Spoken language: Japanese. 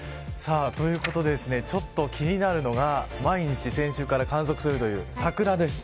ということでちょっと気になるのが毎日先週から観測するという桜です。